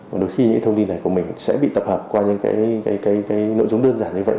và đôi khi những thông tin này của mình sẽ bị tập hợp qua những cái nội dung đơn giản như vậy